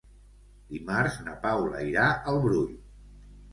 Dimarts na Paula irà al Brull.